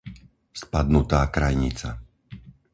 spadnutá krajnica